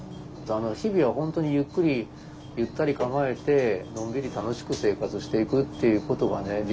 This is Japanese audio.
日々は本当にゆっくりゆったり構えてのんびり楽しく生活していくっていうことがね